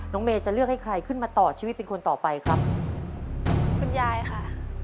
เมย์จะเลือกให้ใครขึ้นมาต่อชีวิตเป็นคนต่อไปครับคุณยายค่ะ